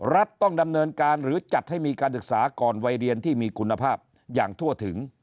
รัฐต้องดำเนินการหรือจัดให้มีการศึกษาก่อนวัยเรียนที่มีคุณภาพอย่างทั่วถึง